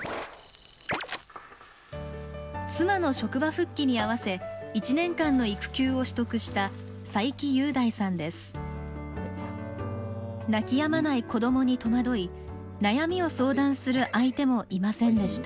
妻の職場復帰にあわせ１年間の育休を取得した泣きやまない子どもに戸惑い悩みを相談する相手もいませんでした。